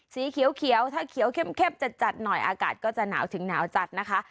สีเขียวถ้าเขียวเข้มจัดหน่อยอากาศก็จะหนาวถึงหนาวจัดนะคะ